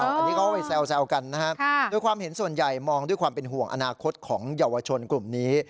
อันนี้เขาไปแซวกันนะครับโดยความเห็นส่วนใหญ่มองด้วยความเป็นห่วงอนาคตของเยาวชนกลุ่มนี้